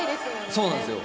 そうなんですよ。